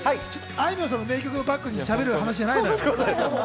あいみょんさんの名曲をバックに話す話じゃないよ。